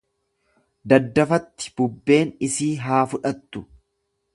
Daddafatti bubbeen isii haa fudhattu!